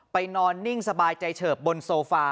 นอนนิ่งสบายใจเฉิบบนโซฟา